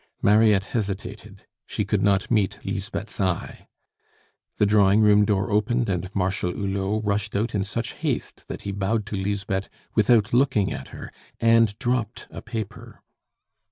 Mariette hesitated; she could not meet Lisbeth's eye. The drawing room door opened, and Marshal Hulot rushed out in such haste that he bowed to Lisbeth without looking at her, and dropped a paper.